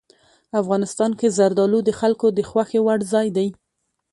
افغانستان کې زردالو د خلکو د خوښې وړ ځای دی.